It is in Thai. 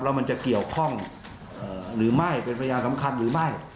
แล้วมันจะเกี่ยวข้องหรือไม่เป็นพยานสำคัญหรือไม่